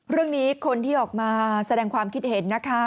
เรื่องนี้คนที่ออกมาแสดงความคิดเห็นนะคะ